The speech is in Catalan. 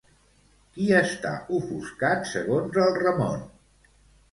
Qui està ofuscat, segons el Ramon?